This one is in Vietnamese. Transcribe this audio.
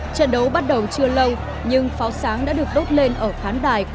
trận đấu bắt đầu chưa lâu nhưng pháo sáng đã được đốt lên ở khán đài